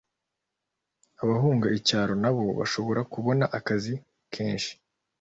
abahunga icyaro na bo bashobore kubona akazi kenshi